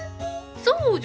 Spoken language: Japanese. そう！